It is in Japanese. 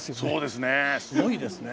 すごいですね。